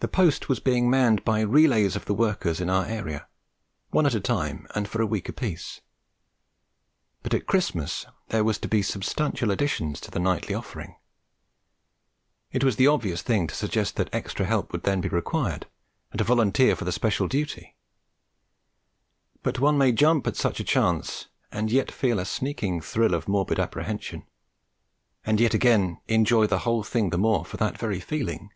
The post was being manned by relays of the workers in our area, one at a time and for a week apiece; but at Christmas there were to be substantial additions to the nightly offering. It was the obvious thing to suggest that extra help would be required, and to volunteer for the special duty. But one may jump at such a chance and yet feel a sneaking thrill of morbid apprehension, and yet again enjoy the whole thing the more for that very feeling.